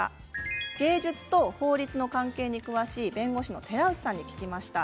芸術と法律の関係に詳しい弁護士の寺内さんに聞きました。